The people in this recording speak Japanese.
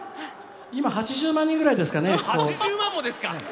今８０万人ぐらいですかね。